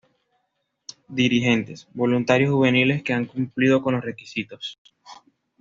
Dirigentes: Voluntarios juveniles que han cumplido con los requisitos.